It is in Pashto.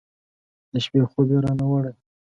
د شپې خوب یې رانه وړی